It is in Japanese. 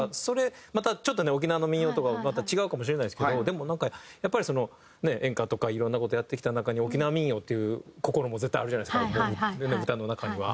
またちょっとね沖縄の民謡とはまた違うかもしれないですけどでもなんかやっぱり演歌とかいろんな事やってきた中に沖縄民謡っていう心も絶対あるじゃないですか歌の中には。